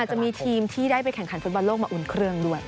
จะมีทีมที่ได้ไปแข่งขันฟุตบอลโลกมาอุ่นเครื่องด้วย